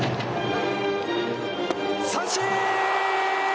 三振。